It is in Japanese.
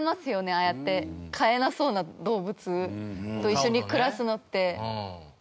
ああやって飼えなそうな動物と一緒に暮らすのって。